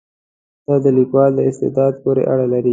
دا د لیکوال په استعداد پورې اړه لري.